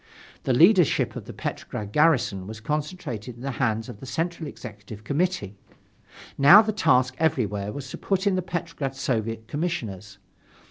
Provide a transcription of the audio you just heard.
The leadership of the Petrograd garrison was concentrated in the hands of the Central Executive Committee. Now the task everywhere was to put in the Petrograd Soviet's Commissioners.